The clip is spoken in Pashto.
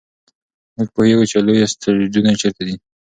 موږ پوهېږو چې لوی اسټروېډونه چیرته دي.